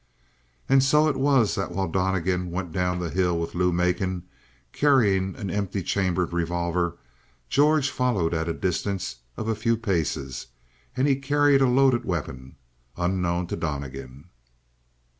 And so it was that while Donnegan went down the hill with Lou Macon, carrying an empty chambered revolver, George followed at a distance of a few paces, and he carried a loaded weapon unknown to Donnegan.